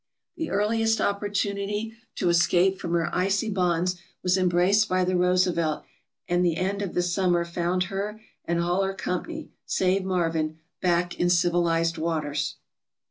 The earliest opportunity to escape from her icy bonds was embraced by the "Roosevelt," and the end of the summer found her and all her company, save Marvin, back in civilized waters.